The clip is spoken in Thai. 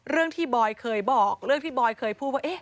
เรื่องที่บอยเคยบอกเรื่องที่บอยเคยพูดว่า